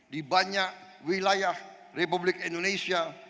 di banyak wilayah republik indonesia